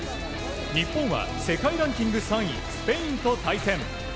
日本は世界ランキング３位スペインと対戦。